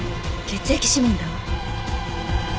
血液指紋だわ！